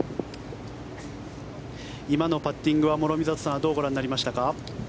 今のパッティングは諸見里さんはどうご覧になりましたか？